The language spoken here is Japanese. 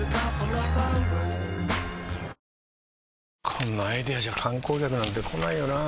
こんなアイデアじゃ観光客なんて来ないよなあ